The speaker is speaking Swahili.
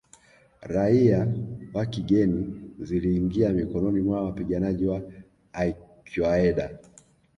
raia wa kigeni ziliingia mikononi mwa wapiganaji wa Al Qaeda